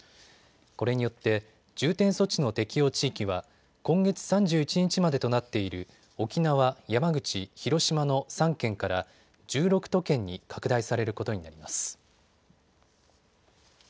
これによって重点措置の適用地域は今月３１日までとなっている沖縄、山口、広島の３県から１６都県に拡大されることになります。